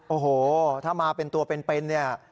โอ้โหถ้ามาเป็นตัวเป็นเนี่ย